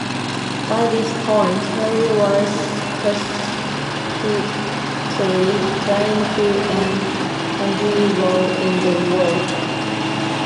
By this point, Horthy was frantically trying to end Hungary's role in the war.